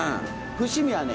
伏見はね